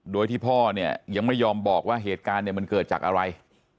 โดยที่พ่อเนี่ยยังไม่ยอมบอกว่าเหตุการณ์เนี่ยมันเกิดจากอะไร